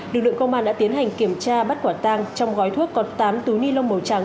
lực lượng công an đã tiến hành kiểm tra bắt quả tang trong gói thuốc có tám túi ni lông màu trắng